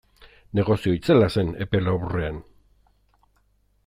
Negozio itzela zen epe laburrean.